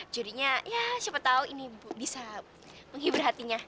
jadinya ya siapa tahu ini bu bisa menghibur hatinya